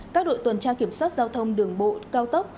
các đội tuần tra kiểm soát giao thông đường bộ cao tốc